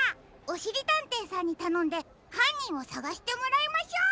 おしりたんていさんにたのんではんにんをさがしてもらいましょう！